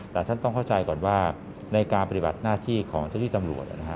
แต่ท่านต้องเข้าใจก่อนว่าในการปฏิบัติหน้าที่ของเจ้าที่ตำรวจ